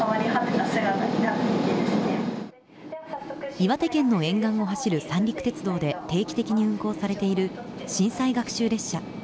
岩手県の沿岸を走る三陸鉄道で定期的に運行されている震災学習列車。